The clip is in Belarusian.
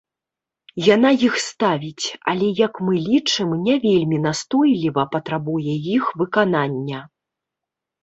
Яна іх ставіць, але, як мы лічым, не вельмі настойліва патрабуе іх выканання.